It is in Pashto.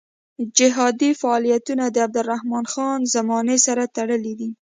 جهادي فعالیتونه د عبدالرحمن خان زمانې سره تړلي دي.